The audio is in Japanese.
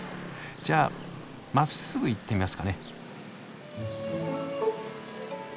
じゃあまっすぐ行ってみますかね。